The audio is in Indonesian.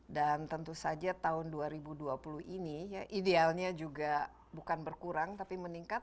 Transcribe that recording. dan tentu saja tahun dua ribu dua puluh ini idealnya juga bukan berkurang tapi meningkat